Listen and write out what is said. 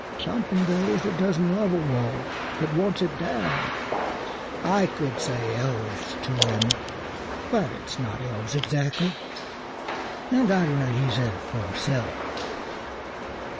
Something there is that doesn't love a wall, That wants it down." I could say "Elves" to him, But it's not elves exactly, and I'd ratherHe said it for himself.